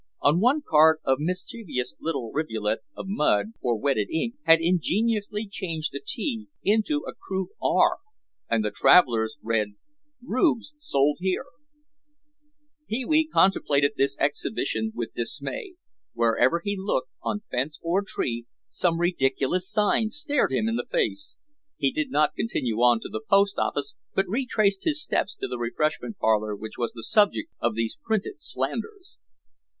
On one card a mischievous little rivulet of mud or wetted ink had ingeniously changed a T into a crude R and the travelers read RUBES SOLD HERE. Pee wee contemplated this exhibition with dismay. Wherever he looked, on fence or tree, some ridiculous sign stared him in the face. He did not continue on to the post office but retraced his steps to the refreshment parlor which was the subject of these printed slanders.